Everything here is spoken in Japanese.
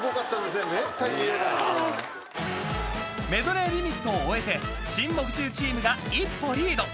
［メドレーリミットを終えて新木１０チームが一歩リード！］